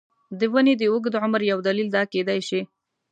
د ونې د اوږد عمر یو دلیل دا کېدای شي.